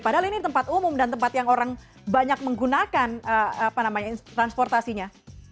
padahal ini tempat umum dan tempat yang orang banyak menggunakan transportasinya